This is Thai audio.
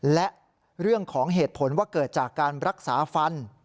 และเรื่องของเหตุผลว่าเกิดจากการรักษาฟัน